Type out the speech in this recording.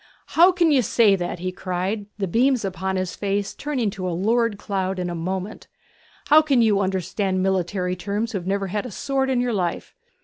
'How can you say that!' he cried, the beams upon his face turning to a lurid cloud in a moment. 'How can you understand military terms who've never had a sword in your life?